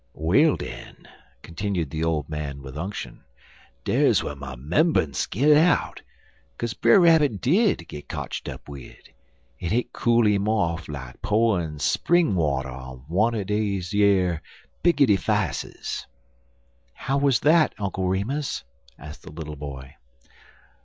"Well, den," continued the old man with unction, "dar's whar my 'membunce gin out, kaze Brer Rabbit did git kotched up wid, en hit cool 'im off like po'in' spring water on one er deze yer biggity fices." "How was that, Uncle Remus?" asked the little boy.